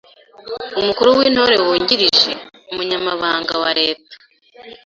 Umukuru w’Intore wungirije: Umunyamabanga wa Leta;